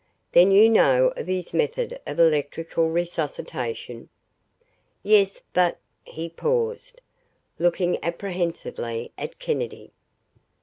"Then you know of his method of electrical resuscitation." "Yes but " He paused, looking apprehensively at Kennedy.